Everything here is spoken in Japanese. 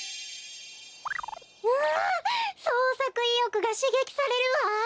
わあそうさくいよくがしげきされるわ。